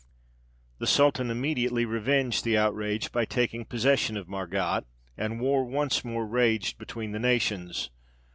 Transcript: The sultan immediately revenged the outrage by taking possession of Margat, and war once more raged between the nations.